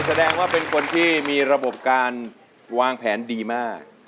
แสดงว่าเป็นคนที่มีระบบการวางแผนดีมาก